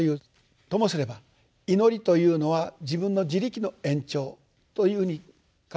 ともすれば祈りというのは自分の自力の延長というふうに考えられる。